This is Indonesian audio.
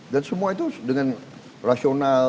dan semua itu dengan rasional